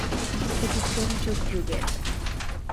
এটি সেলজুক যুগের।